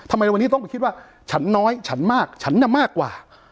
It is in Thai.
ในวันนี้ต้องไปคิดว่าฉันน้อยฉันมากฉันน่ะมากกว่า